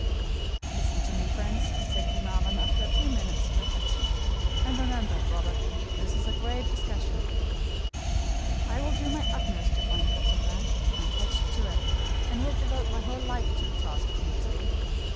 "Listen to me, friends," said Glenarvan after a few minutes' reflection; "and remember, Robert, this is a grave discussion. I will do my utmost to find Captain Grant; I am pledged to it, and will devote my whole life to the task if needs be.